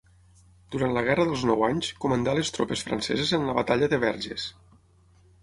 Durant la Guerra dels Nou Anys comandà les tropes franceses en la Batalla de Verges.